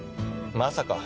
まさか。